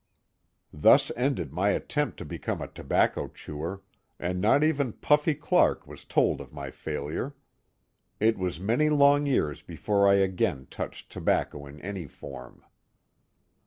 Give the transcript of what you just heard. Thus ended my attempt to become a tobacco chewer. and not even " Puffy " Clark was told of my failure. It was many long years before I again touched tobacco in any form.